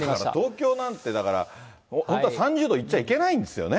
東京なんて、だから本当は３０度いっちゃいけないんですよね。